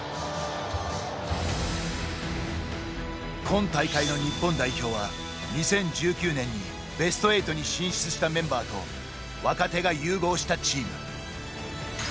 今大会の日本代表は２０１９年にベスト８に進出したメンバーと若手が融合したチーム。